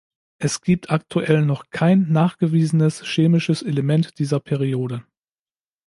Es gibt aktuell noch "kein" nachgewiesenes chemisches Element dieser Periode.